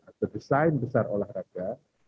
atau desain besar olahraga